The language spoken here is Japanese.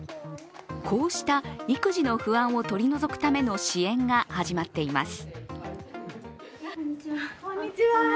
こうした育児の不安を取り除くための支援が始まっています。